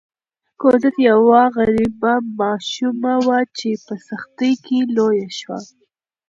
کوزت یوه غریبه ماشومه وه چې په سختۍ کې لویه شوه.